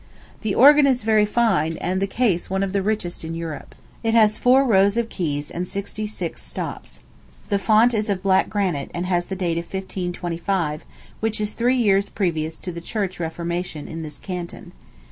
The organ is very fine, and the case one of the richest in Europe. It has four rows of keys and sixty six stops. The font is of black granite, and has the date of 1525, which is three years previous to the church reformation in this canton.